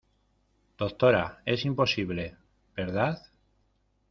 doctora, es imposible ,¿ verdad?